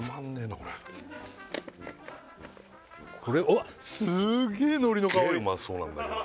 これこれうわっすげえのりの香りすげえ